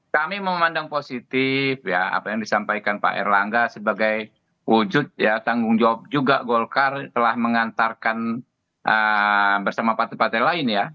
kami memandang positif ya apa yang disampaikan pak erlangga sebagai wujud ya tanggung jawab juga golkar telah mengantarkan bersama partai partai lain ya